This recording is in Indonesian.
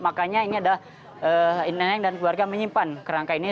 makanya ini adalah neneng dan keluarga menyimpan kerangka ini